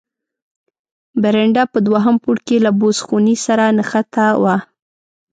برنډه په دوهم پوړ کې له بوس خونې سره نښته وه.